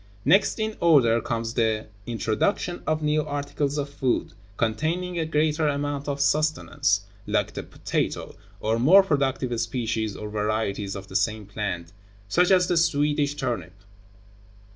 Next in order comes the introduction of new articles of food, containing a greater amount of sustenance, like the potato, or more productive species or varieties of the same plant, such as the Swedish turnip.